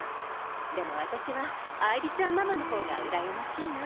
でも私は愛梨ちゃんママの方がうらやましいな。